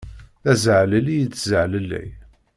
D azaɛlelli i yettzaɛlellay.